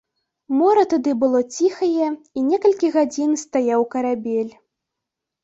Мора тады было ціхае, і некалькі гадзін стаяў карабель.